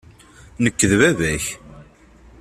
Nekk d baba-k.